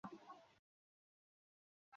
শুভকামনা রইলো, হ্যারি।